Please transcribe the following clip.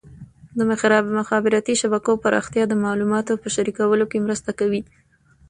د مخابراتي شبکو پراختیا د معلوماتو په شریکولو کې مرسته کوي.